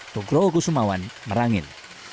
tukroho kusumawan merangin